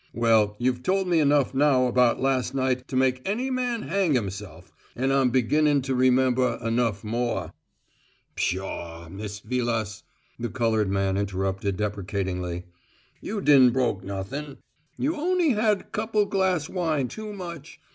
"Well, you've told me enough now about last night to make any man hang himself, and I'm beginning to remember enough more " "Pshaw, Mist' Vilas," the coloured man interrupted, deprecatingly, "you din' broke nothin'! You on'y had couple glass' wine too much.